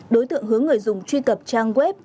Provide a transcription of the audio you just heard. đối tượng hướng người dùng truy cập trang web